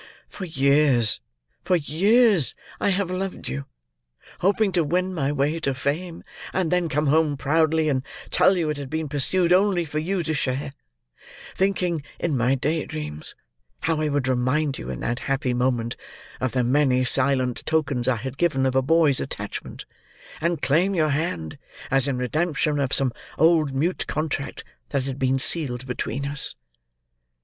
For years—for years—I have loved you; hoping to win my way to fame, and then come proudly home and tell you it had been pursued only for you to share; thinking, in my daydreams, how I would remind you, in that happy moment, of the many silent tokens I had given of a boy's attachment, and claim your hand, as in redemption of some old mute contract that had been sealed between us!